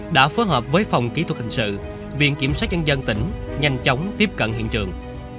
đã phối hợp với phòng kỹ thuật hình sự viện kiểm sát nhân dân tỉnh nhanh chóng tiếp cận hiện trường